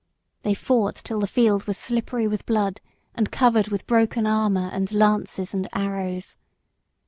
They fought till the field was slippery with blood, and covered with broken armour and lances and arrows.